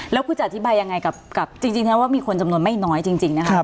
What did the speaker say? แล้วคุณจะอธิบายยังไงกับจริงแล้วว่ามีคนจำนวนไม่น้อยจริงนะคะ